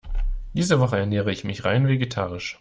Diese Woche ernähre ich mich rein vegetarisch.